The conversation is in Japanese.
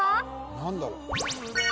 何だろう？